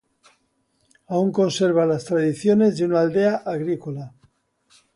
Aún conserva las tradiciones de una aldea agrícola.